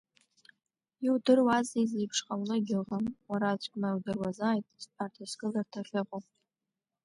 Иудыруазеи зеиԥшҟамло егьыҟам, уара аӡәк ма иудыруазааит стәарҭа-сгыларҭа ахьыҟоу!